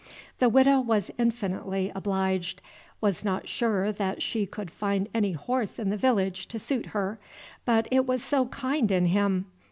The Widow was infinitely obliged; was not sure that she could find any horse in the village to suit her; but it was so kind in him!